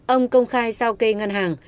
ông công khai sao cây ngân hàng